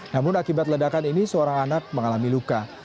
namun akibat ledakan ini seorang anak mengalami luka